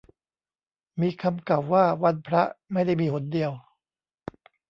มีคำเก่าว่า วันพระไม่ได้มีหนเดียว